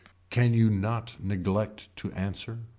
Can you not neglect to answer.